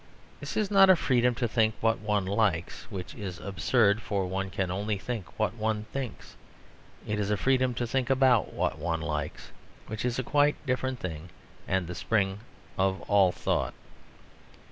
This is not a freedom to think what one likes (which is absurd, for one can only think what one thinks); it is a freedom to think about what one likes, which is quite a different thing and the spring of all thought.